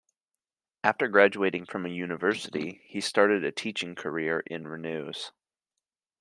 After graduating from the university, he started a teaching career in Renews.